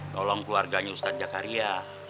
tolong keluarganya ustadz zakaria